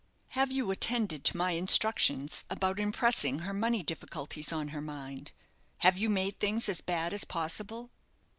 "Have you attended to my instructions about impressing her money difficulties on her mind have you made things as bad as possible?"